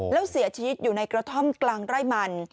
แล้วเสียชีวิตอยู่ในกระท่อมกลางไร่มัน